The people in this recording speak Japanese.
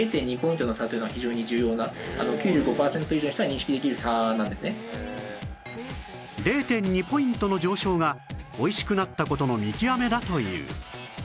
では我々の０．２ ポイントの上昇がおいしくなった事の見極めだという